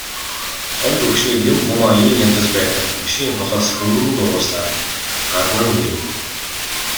Хоёр хөгшнийг юм хумаа ийн янзалж байтал машин холоос хүнгэнэн дуугарсаар гадна нь ирэв.